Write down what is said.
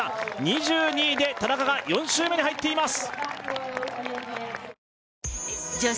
２２位で田中が４周目に入っています